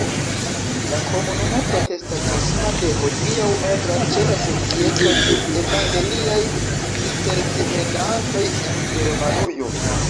La komunumo protestatisma de hodiaŭ membras ĉe la Societo de evangeliaj cisterciheredantoj en Germanujo.